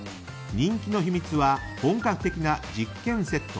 人気の秘密は本格的な実験セット。